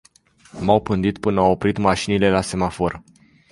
M-au pândit până au oprit mașinile la semafor.